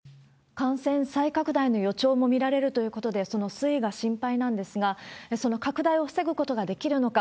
感染再拡大の予兆も見られるということで、その推移が心配なんですが、その拡大を防ぐことができるのか。